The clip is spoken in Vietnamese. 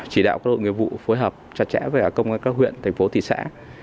chỉ đạo các đội nghiệp vụ phối hợp chặt chẽ với công an các huyện thành phố thị xã